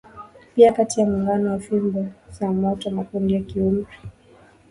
Pia kati ya muungano wa fimbo za moto makundi ya kiumri